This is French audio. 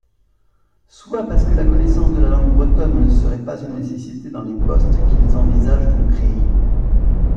Soit parce que la connaissance de la langue bretonne ne serait pas une nécessité dans les postes qu’ils envisagent de créer.